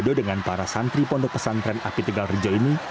do dengan para santri pondok pesantren api tegal rejo ini